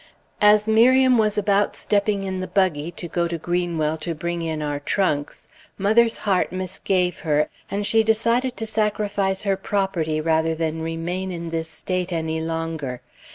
As Miriam was about stepping in the buggy, to go to Greenwell to bring in our trunks, mother's heart misgave her, and she decided to sacrifice her property rather than remain in this state any longer.